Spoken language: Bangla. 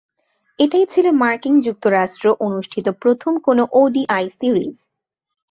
এটাই ছিল মার্কিন যুক্তরাষ্ট্র অনুষ্ঠিত প্রথম কোন ওডিআই সিরিজ।